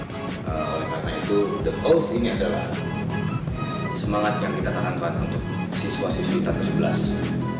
oleh karena itu the both ini adalah semangat yang kita tarangkan untuk siswa siswi tahun sebelas